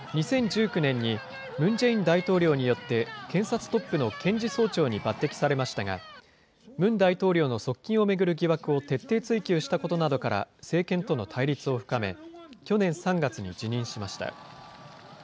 ２０１９年にムン・ジェイン大統領によって、検察トップの検事総長に抜てきされましたが、ムン大統領の側近を巡る疑惑を徹底追及したことなどから、政権との対立を深め、去年３月に辞任しました。